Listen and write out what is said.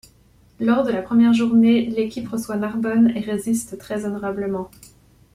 Lors de la première journée, l'équipe reçoit Narbonne et résiste très honorablement.